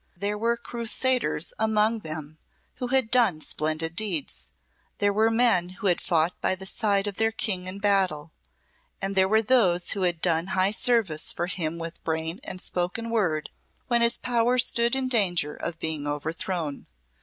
There were Crusaders among them who had done splendid deeds; there were men who had fought by the side of their King in battle, and there were those who had done high service for him with brain and spoken word when his power stood in danger of being overthrown.